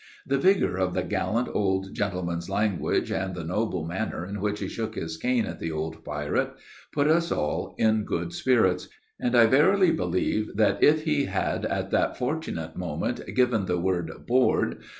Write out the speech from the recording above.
The vigor of the gallant old gentleman's language, and the noble manner in which he shook his cane at the old pirate, put us all in good spirits, and I verily believe that, if he had at that fortunate moment given the word 'board!'